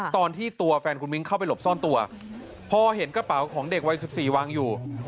ตอนที่ตัวแฟนคุณมิ้งเข้าไปหลบซ่อนตัวพอเห็นกระเป๋าของเด็กวัย๑๔วางอยู่